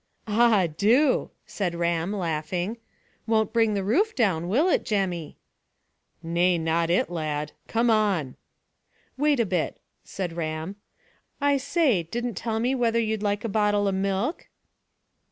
"Ah, do," said Ram, laughing. "Won't bring the roof down, will it, Jemmy?" "Nay, not it, lad. Come on." "Wait a bit," said Ram. "I say, didn't tell me whether you'd like a bottle o' milk?"